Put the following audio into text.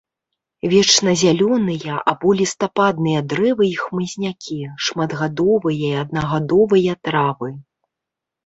Вечназялёныя або лістападныя дрэвы і хмызнякі, шматгадовыя і аднагадовыя травы.